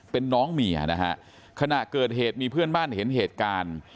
เป็นน้องเมียนะฮะขณะเกิดเหตุมีเพื่อนบ้านเห็นเหตุการณ์